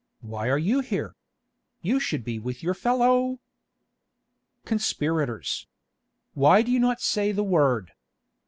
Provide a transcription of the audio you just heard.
Why are you here? You should be with your fellow——" "Conspirators. Why do you not say the word?